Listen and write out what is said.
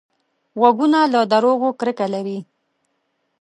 غوږونه له دروغو کرکه لري